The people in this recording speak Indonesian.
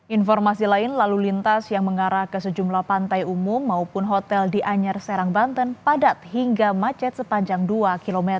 informasi lain lalu lintas yang mengarah ke sejumlah pantai umum maupun hotel di anyar serang banten padat hingga macet sepanjang dua km